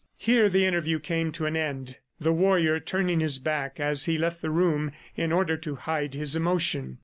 Here the interview came to an end, the warrior turning his back as he left the room in order to hide his emotion.